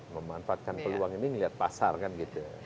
memanfaatkan peluang ini melihat pasar kan gitu